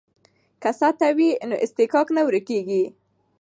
که سطح وي نو اصطکاک نه ورکیږي.